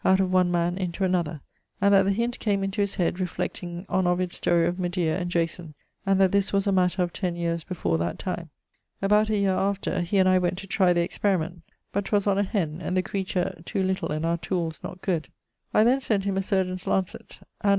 ] out of one man into another, and that the hint came into his head reflecting on Ovid's story of Medea and Jason, and that this was a matter of ten yeares before that time. About a yeare after, he and I went to trye the experiment, but 'twas on a hen, and the creature to little and our tooles not good: I then sent him a surgeon's lancet. Anno ...